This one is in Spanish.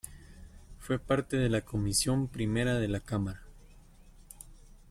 Fue parte de la Comisión Primera de la Cámara.